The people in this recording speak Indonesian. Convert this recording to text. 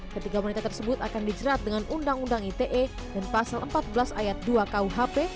ketiga wanita tersebut akan dijerat dengan undang undang ite dan pasal empat belas ayat dua kuhp